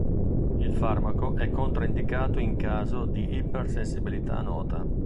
Il farmaco è controindicato in caso di ipersensibilità nota.